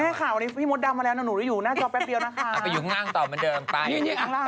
แม่ข่าววันนี้พี่มดดำมาแล้วหนูอยู่หน้าจอแป๊บเดียวนะคะ